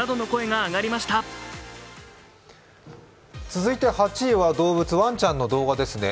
続いて８位は、動物、ワンちゃんの動画ですね。